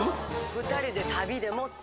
２人で旅でもって。